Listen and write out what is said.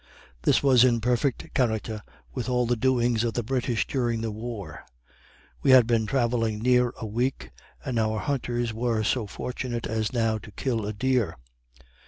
This was in perfect character with all the doings of the British during this war. We had been travelling near a week, and our hunters were so fortunate as now to kill a deer.